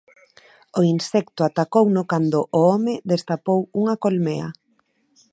O insecto atacouno cando o home destapou unha colmea.